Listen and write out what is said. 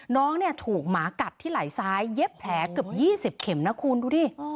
น้องเนี่ยถูกหมากัดที่ไหล่ซ้ายเย็บแผลเกือบ๒๐เข็มนะคุณดูดิ